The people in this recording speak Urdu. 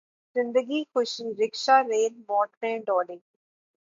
زندگی خوشی رکشا ریل موٹریں ڈولی